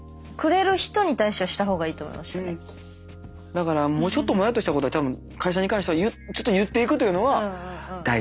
何かだからもうちょっともやっとしたことは会社に関しては言っていくというのは大事なんじゃない？